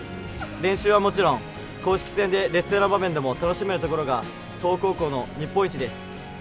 練習はもちろん、公式戦で劣勢の場面でも楽しめるところが東北高校の日本一です。